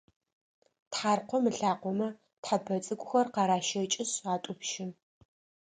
Тхьаркъом ылъакъомэ тхьэпэ цӏыкӏухэр къаращэкӏышъ атӏупщы.